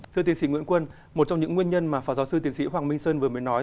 sư tiến sĩ nguyễn quân một trong những nguyên nhân mà phó giáo sư tiến sĩ hoàng minh sơn vừa mới nói